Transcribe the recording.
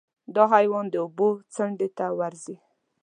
دا حیوان د اوبو څنډې ته ورځي.